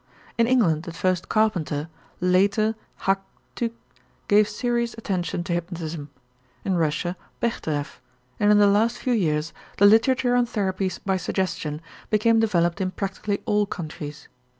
In England at first Carpenter, later Hack Tuke gave serious attention to hypnotism, in Russia Bechterew, and in the last few years the literature on therapy by suggestion became developed in practically all countries.